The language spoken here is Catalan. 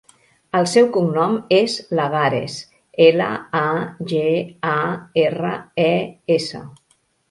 El seu cognom és Lagares: ela, a, ge, a, erra, e, essa.